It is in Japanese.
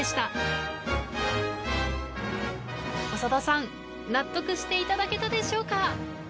長田さん納得していただけたでしょうか？